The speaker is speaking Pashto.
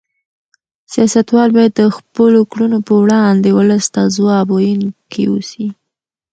سیاستوال باید د خپلو کړنو په وړاندې ولس ته ځواب ویونکي اوسي.